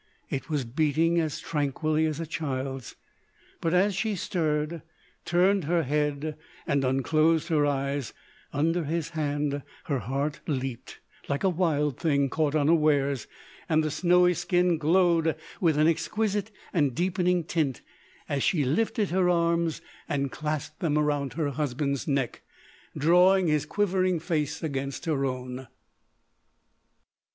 It was beating as tranquilly as a child's; but as she stirred, turned her head, and unclosed her eyes, under his hand her heart leaped like a wild thing caught unawares and the snowy skin glowed with an exquisite and deepening tint as she lifted her arms and clasped them around her husband's, neck, drawing his quivering face against her own.